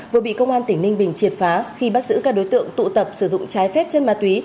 vừa bị công an tỉnh ninh bình triệt phá khi bắt giữ các đối tượng tụ tập sử dụng trái phép chân ma túy